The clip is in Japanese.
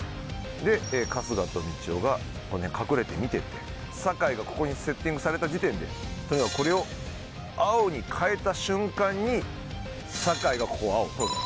で春日とみちおが隠れて見てて酒井がここにセッティングされた時点でとにかくこれを青に替えた瞬間に酒井がここ青を取る。